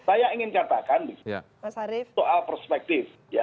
saya ingin katakan soal perspektif